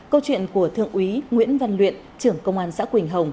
câu chuyện của thượng úy nguyễn văn luyện trưởng công an xã quỳnh hồng